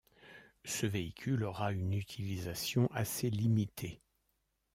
Ce véhicule aura une utilisation assez limitée.